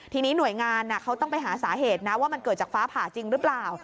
ทีนี้หน่วยงานเขาต้องไปหาสาเหตุนะว่ามันเกิดจากฟ้าผ่าจริงหรือเปล่า